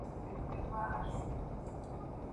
ჭრიჭინას შეშურდა, თვითონაც ახმიანდა.